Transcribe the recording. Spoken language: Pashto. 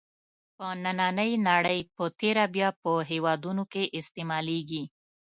په نننۍ نړۍ په تېره بیا په هېوادونو کې استعمالېږي.